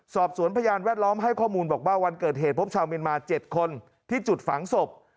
สอบสวนพยานแวดล้อมให้ข้อมูลบอกว่าวันเกิดเหตุพบชาวเมียนมา๗คนที่จุดฝังศพ